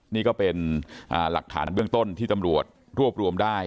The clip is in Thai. นี่ก็เป็นหลักฐานเบื้องต้นที่ตำรวจรวบรวมได้